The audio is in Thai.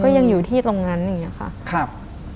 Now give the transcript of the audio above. คุณลุงกับคุณป้าสองคนนี้เป็นใคร